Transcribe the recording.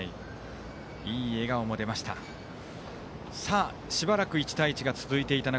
いい笑顔も出ました。